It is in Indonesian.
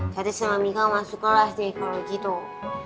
kata sama mika masuk kelas di ekologi tuh